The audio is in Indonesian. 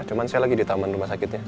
cuma saya lagi di taman rumah sakitnya